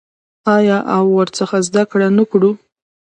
آیا او ورڅخه زده کړه نه کوو؟